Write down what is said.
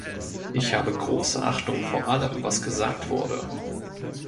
Ich habe große Achtung vor allem, was gesagt wurde.